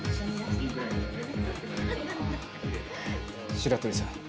白鳥さん